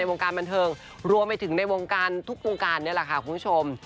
ไม่ว่าจะในวงการบันเทิงรวมไปถึงในวงการทุกวงการนี่แหละคุณผู้ชม